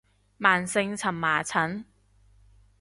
慢性蕁麻疹